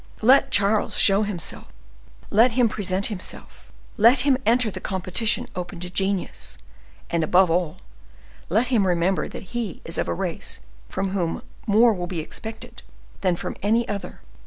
Let Charles show himself, let him present himself, let him enter the competition open to genius, and, above all, let him remember that he is of a race from whom more will be expected than from any other.